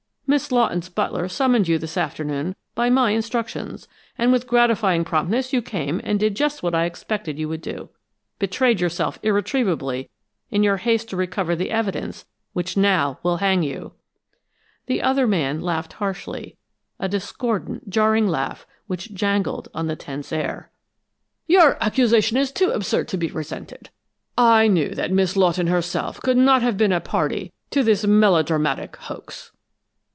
"Miss Lawton's butler summoned you this afternoon by my instructions, and with gratifying promptness you came and did just what I expected you would do betrayed yourself irretrievably in your haste to recover the evidence which now will hang you!" The other man laughed harshly, a discordant, jarring laugh which jangled on the tense air. "Your accusation is too absurd to be resented. I knew that Miss Lawton herself could not have been a party to this melodramatic hoax!"